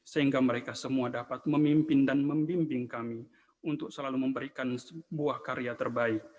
sehingga mereka semua dapat memimpin dan membimbing kami untuk selalu memberikan sebuah karya terbaik